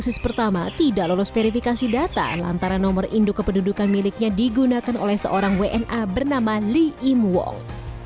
dosis pertama tidak lolos verifikasi data lantaran nomor induk kependudukan miliknya digunakan oleh seorang wna bernama lee im wong